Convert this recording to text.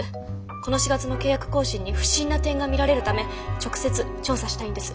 この４月の契約更新に不審な点が見られるため直接調査したいんです。